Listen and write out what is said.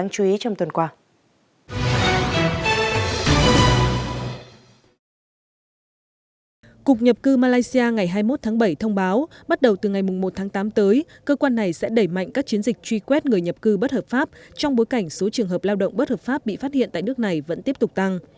cục nhập cư malaysia ngày hai mươi một tháng bảy thông báo bắt đầu từ ngày một tháng tám tới cơ quan này sẽ đẩy mạnh các chiến dịch truy quét người nhập cư bất hợp pháp trong bối cảnh số trường hợp lao động bất hợp pháp bị phát hiện tại nước này vẫn tiếp tục tăng